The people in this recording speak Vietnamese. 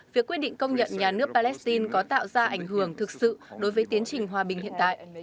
việc quyết định công nhận nhà nước palestine có tạo ra ảnh hưởng thực sự đối với tiến trình hòa bình hiện tại